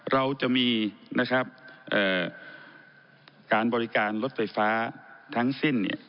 เราจะมีนะครับการบริการรถไฟฟ้าทั้งสิ้นเนี่ย